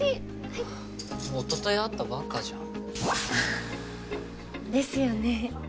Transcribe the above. はいおととい会ったばっかじゃんですよね